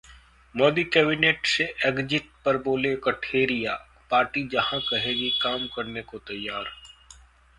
Modi cabinet से exit पर बोले कठेरिया- पार्टी जहां कहेगी, काम करने को तैयार